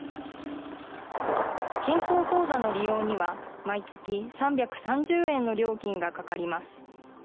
健康口座の利用には、毎月３３０円の料金がかかります。